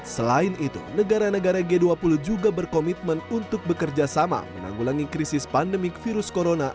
selain itu negara negara g dua puluh juga berkomitmen untuk bekerja sama menanggulangi krisis pandemik virus corona